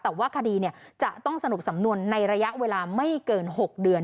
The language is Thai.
แต่ว่าคดีจะต้องสรุปสำนวนในระยะเวลาไม่เกิน๖เดือน